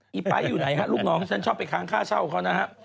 ไปอยู่ไหนฮะลูกน้องฉันชอบไปค้างค่าเช่าเขานะฮะ